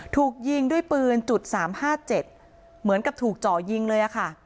ถูกยิงด้วยปืนจุดสามห้าเจ็ดเหมือนกับถูกเจาะยิงเลยอ่ะค่ะ